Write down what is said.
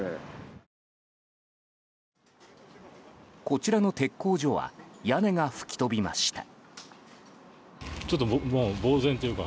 こちらの鉄工所は屋根が吹き飛びました。